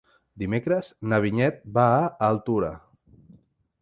Dimecres na Vinyet va a Altura.